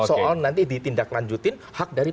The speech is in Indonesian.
soal nanti ditindaklanjutin hak dari